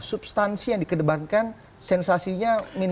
substansi yang dikedebankan sensasinya minimal